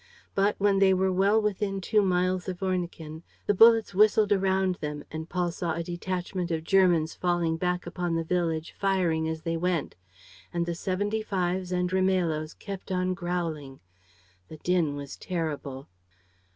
But, when they were well within two miles of Ornequin, the bullets whistled around them and Paul saw a detachment of Germans falling back upon the village, firing as they went. And the seventy fives and Rimailhos kept on growling. The din was terrible.